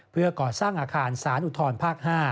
เพื่อก่อสร้างอาคารสารอุทธรภาค๕